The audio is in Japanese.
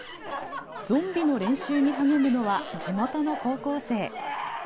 ゾンビの練習に励むのは、地元の高校生。